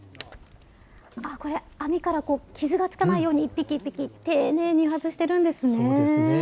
これ、網から傷がつかないように、一匹一匹丁寧に外してるんそのとおりですね。